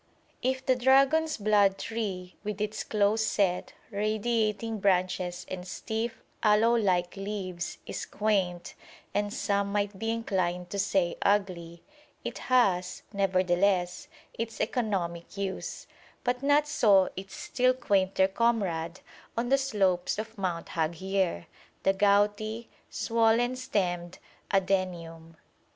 If the dragon's blood tree, with its close set, radiating branches and stiff, aloe like leaves, is quaint and some might be inclined to say ugly it has, nevertheless, its economic use; but not so its still quainter comrade on the slopes of Mount Haghier, the gouty, swollen stemmed Adenium.